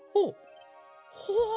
ほう。